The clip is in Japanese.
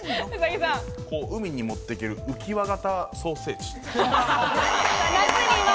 海に持ってける浮輪型ソーセージ。